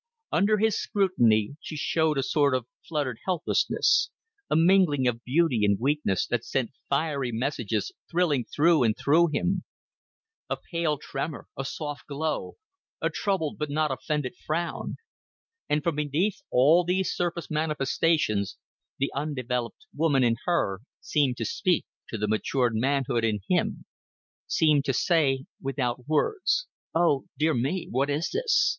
Under his scrutiny she showed a sort of fluttered helplessness, a mingling of beauty and weakness that sent fiery messages thrilling through and through him, a pale tremor, a soft glow, a troubled but not offended frown; and from beneath all these surface manifestations the undeveloped woman in her seemed to speak to the matured manhood in him seemed to say without words, "Oh, dear me, what is this?